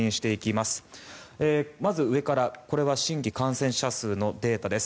まず上から、これは新規感染者数のデータです。